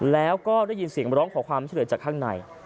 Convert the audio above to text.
แล้วก็ได้ยินเสียงมาร้องขอความเฉลินจากข้างใน